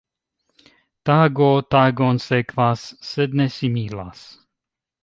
Tago tagon sekvas, sed ne similas.